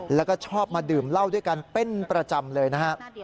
แล้วก็ชอบมาดื่มเหล้าด้วยกันเป็นประจำเลยนะฮะ